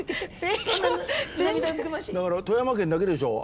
だから富山県だけでしょ。